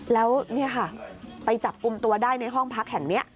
แล้วนี่ค่ะไปจับกลุ่มตัวได้ในห้องพักแห่งนี้